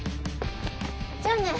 じゃあね。